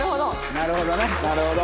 なるほどねなるほど。